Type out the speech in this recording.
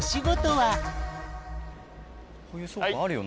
はい！